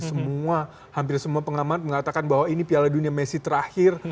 semua hampir semua pengamat mengatakan bahwa ini piala dunia messi terakhir